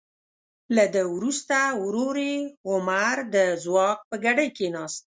له ده وروسته ورور یې عمر د ځواک په ګدۍ کیناست.